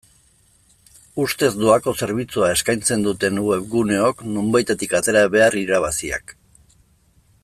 Ustez doako zerbitzua eskaitzen duten webguneok nonbaitetik atera behar irabaziak.